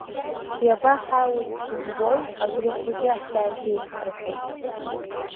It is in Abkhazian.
Иабаҳауи, умбои, абри ахәыҷы иаҳзааигеит, — рҳәеит.